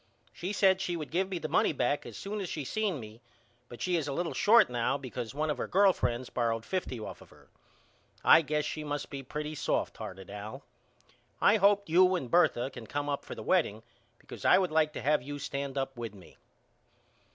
She said she would give me the money back as soon as she seen me but she is a little short now because one of her girl friends borrowed fifty off of her. I guess she must be pretty soft hearted Al. I hope you and Bertha can come up for the wedding because I would like to have you stand up with me.